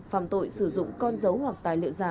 phạm tội sử dụng con dấu hoặc tài liệu giả